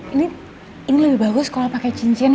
ini ini lebih bagus kalau pakai cincin ya lan